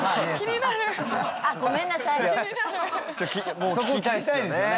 もう聞きたいですよね。